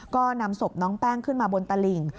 ก็นำศพน้องแป้งขึ้นมาบนตลิ่ง